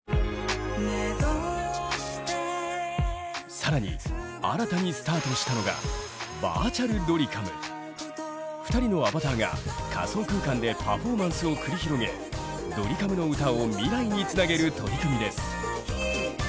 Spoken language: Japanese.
さらに新たにスタートしたのが２人のアバターが仮想空間でパフォーマンスを繰り広げドリカムの歌を未来につなげる取り組みです。